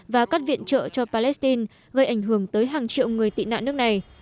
và cắt viện trợ cho palestine gây ảnh hưởng tới hàng triệu người tị nạn nước này